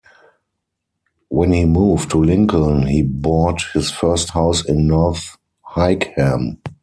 When he moved to Lincoln, he bought his first house in North Hykeham.